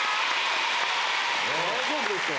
大丈夫ですか？